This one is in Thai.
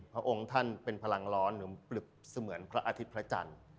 พระพรตมุณีเป็นพลังร้อนหรือเปลืบเสมือนพระอธิษภาคจันทร์